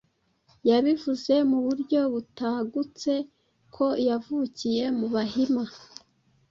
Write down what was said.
Yabivuze mu buryo butagutse ko yavukiye mu Bahima.